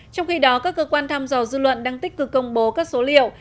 trong khi đó các cơ quan thăm dò dư luận đang tích cực công bố các số liệu